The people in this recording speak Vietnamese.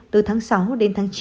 từ tháng sáu đến tháng chín